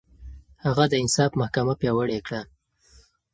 هغه د انصاف محکمه پياوړې کړه.